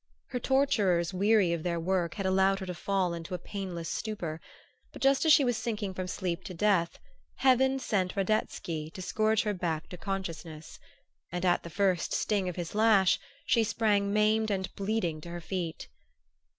Her torturers, weary of their work, had allowed her to fall into a painless stupor; but just as she was sinking from sleep to death, heaven sent Radetsky to scourge her back to consciousness; and at the first sting of his lash she sprang maimed and bleeding to her feet.